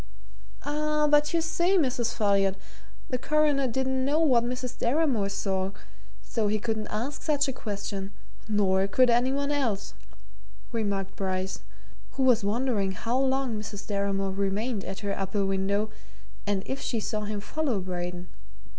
"Ah, but you see, Mrs. Folliot, the Coroner didn't know what Mrs. Deramore saw, so he couldn't ask such a question, nor could any one else," remarked Bryce, who was wondering how long Mrs. Deramore remained at her upper window and if she saw him follow Braden.